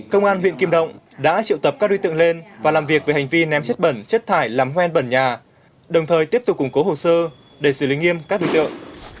công an huyện kim động đã triệu tập các đối tượng lên và làm việc về hành vi ném chất bẩn chất thải làm hoen bẩn nhà đồng thời tiếp tục củng cố hồ sơ để xử lý nghiêm các đối tượng